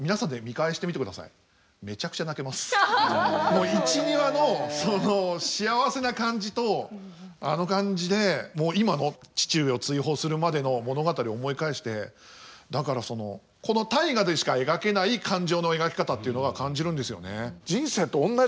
もう１２話の幸せな感じとあの感じで今の父上を追放するまでの物語を思い返してだからそのこの「大河」でしか描けない感情の描き方っていうのは感じるんですよね。